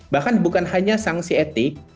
bahkan bukan hanya sanksi etik